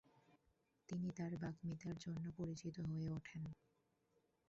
তিনি তার বাগ্মিতার জন্য পরিচিত হয়ে ওঠেন।